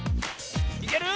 いける？